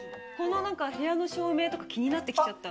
部屋の照明とか気になってきちゃった。